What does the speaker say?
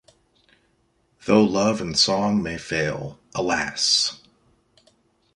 Though love and song may fail, alas!